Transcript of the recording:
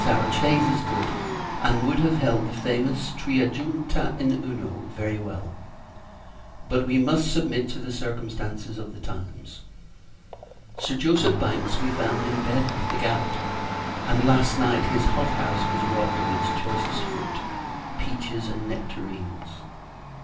Our chaise is good, and would have held the famous "Tria juncta in Uno," very well: but, we must submit to the circumstances of the times. Sir Joseph Bankes we found in bed with the gout: and, last night, his hot house was robbed of its choicest fruit peaches and nectarines.